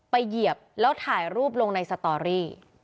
เหยียบแล้วถ่ายรูปลงในสตอรี่